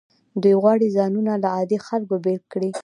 دوی غواړي ځانونه له عادي خلکو بیل کړي.